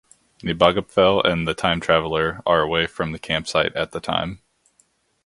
Nebogipfel and the Time Traveller are away from the campsite at the time.